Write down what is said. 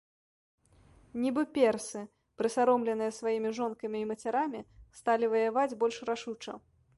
Нібы персы, прысаромленыя сваімі жонкамі і мацярамі, сталі ваяваць больш рашуча.